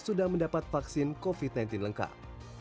sudah mendapat vaksin covid sembilan belas lengkap